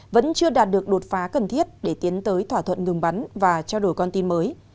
vẫn chưa đạt được đột phá cần thiết để tiến tới thỏa thuận ngừng bắn và trao đổi con tin mới